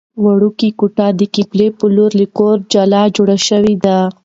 وړوکې کوټه د قبلې په لور له کوره جلا جوړه شوې ده.